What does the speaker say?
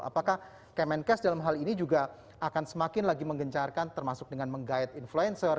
apakah kemenkes dalam hal ini juga akan semakin lagi menggencarkan termasuk dengan menggait influencer